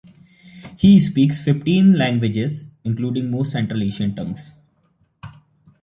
He speaks fifteen languages, including most Central Asian tongues.